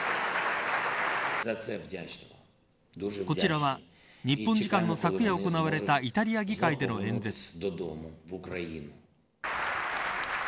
こちらは、日本時間の昨夜行われたイタリア議会での演説。